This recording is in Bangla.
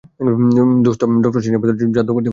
দোস্ত, ডক্টর স্ট্রেঞ্জের মতো জাদু করতে পারি আমি।